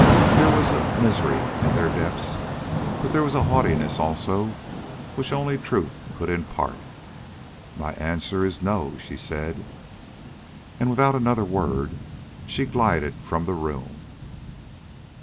There was misery in their depths, but there was a haughtiness, also, which only truth could impart. "My answer is No!" said she. And, without another word, she glided from the room.